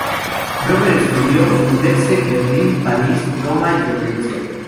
Roemer estudió en Dresde, Berlín, París, Roma y Florencia.